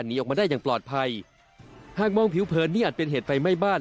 หนีออกมาได้อย่างปลอดภัยหากมองผิวเผินนี่อาจเป็นเหตุไฟไหม้บ้าน